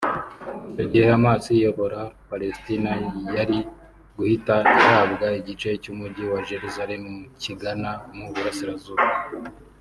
Icyo gihe Hamas iyobora Palestine yari guhita ihabwa igice cy’Umujyi wa Jerusalem kigana mu burasirazuba